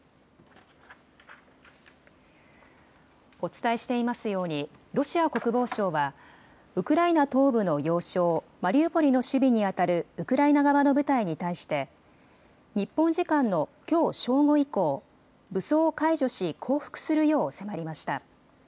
お伝えしていますようにロシア国防省はウクライナ東部の要衝マリウポリの守備にあたるウクライナ側の部隊に対して日本時間のきょう正午以降、武装を解除し降伏するよう迫りました。